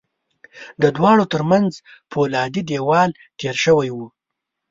د دواړو ترمنځ پولادي دېوال تېر شوی و